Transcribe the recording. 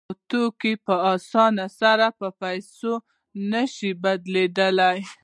خو توکي په اسانۍ سره په پیسو نشو بدلولی